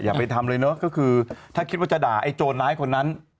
อย่าไปทำเลยเนอะก็คือถ้าคิดว่าจะด่าไอ้โจรร้ายคนนั้น